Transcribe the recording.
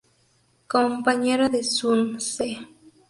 Compañero de Sun Ce.